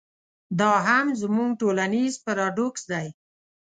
دا هم زموږ ټولنیز پراډوکس دی.